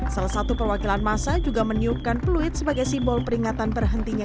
salah satu perwakilan masa juga menyiupkan fluid sebagai simbol peringatan perhentinya